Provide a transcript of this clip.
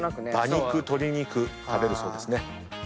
馬肉鶏肉食べるそうですね。